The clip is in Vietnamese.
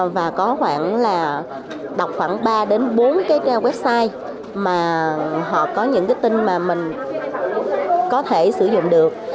và có khoảng là đọc khoảng ba đến bốn cái website mà họ có những cái tin mà mình có thể sử dụng được